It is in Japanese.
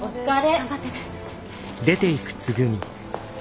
頑張ってね。